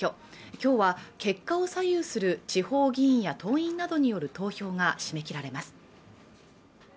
今日は結果を左右する地方議員や党員などによる投票が締め切られます